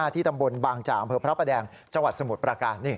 ที่ตำบลบางจ่างเผลอพระแดงจสมุดปลาการ